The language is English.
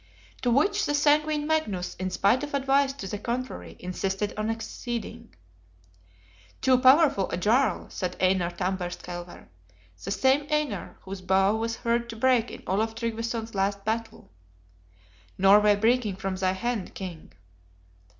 To which the sanguine Magnus, in spite of advice to the contrary, insisted on acceding. "Too powerful a Jarl," said Einar Tamberskelver the same Einar whose bow was heard to break in Olaf Tryggveson's last battle ("Norway breaking from thy hand, King!")